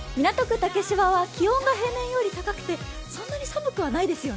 竹芝は気温が平年より高くてそんなに寒くはないですよね。